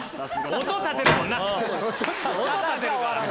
音立てたもんな。